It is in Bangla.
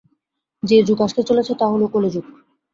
যে যুগ আসতে চলেছে তা হলো কলিযুগ।